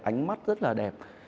ánh mắt rất là đẹp